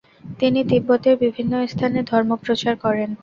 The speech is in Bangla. তিনি তিব্বতের বিভিন্ন স্থানে ধর্মপ্রচার করেন।